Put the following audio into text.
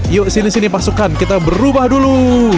yuk sini sini pasukan kita berubah dulu